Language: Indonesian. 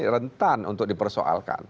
rentan untuk dipersoalkan